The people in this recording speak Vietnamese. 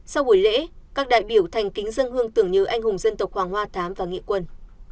sau buổi lễ các đại biểu thành kính dân hương tưởng nhớ anh hùng dân tộc hoàng hoa thám và nghĩa quân